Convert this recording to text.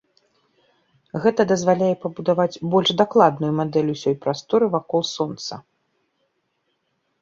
Гэта дазваляе пабудаваць больш дакладную мадэль усёй прастора вакол сонца.